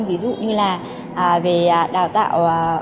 ví dụ như là về đào tạo công nghệ thông tin